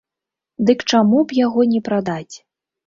Дык чаму б яго не прадаць?